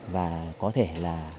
và có thể là